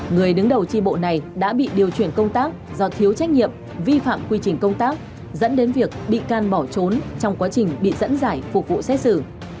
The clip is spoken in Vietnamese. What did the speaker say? người đứng đầu tri bộ này đã bị điều chuyển công tác do thiếu trách nhiệm vi phạm quy trình công tác dẫn đến việc bị can bỏ trốn trong quá trình bị dẫn giải phục vụ xét xử